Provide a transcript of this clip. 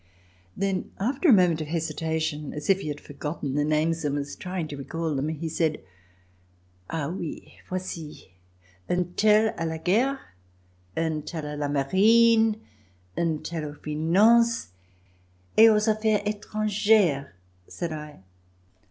^" Then after a moment of hesitation, as If he had forgotten the names and was trying to recall them, he said: "Ah! oul, void: un tel a la guerre, un tel Ti la marine, un tel aux finances ..." "Et aux affaires etrangeres," said L